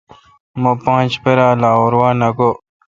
مہ پانچ پرا°لاہور وہ نہ گوئ۔